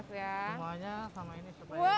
semuanya sama ini